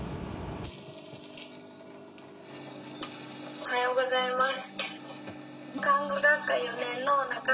「おはようございます」。